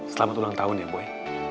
selamat ulang tahun ya boy